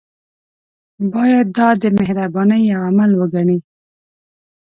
باید دا د مهربانۍ یو عمل وګڼي.